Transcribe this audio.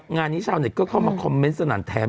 งานนี้ชาวเน็ตก็เข้ามาคอมเมนต์สนั่นแถม